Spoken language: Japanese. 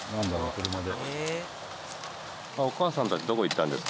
車で。